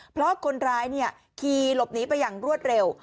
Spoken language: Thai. เพราะคนร้ายขี่หลบหนีไปอย่างรวดเร็ว